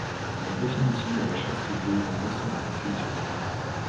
La définition de la chasteté varie selon les cultures.